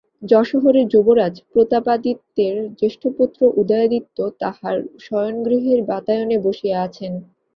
যশোহরের যুবরাজ, প্রতাপাদিত্যের জ্যেষ্ঠ পুত্র, উদয়াদিত্য তাঁহার শয়নগৃহের বাতায়নে বসিয়া আছেন।